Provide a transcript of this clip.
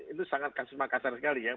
itu sangat kasus makassar sekali ya